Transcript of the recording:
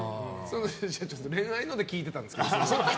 恋愛ので聞いてたんですけど。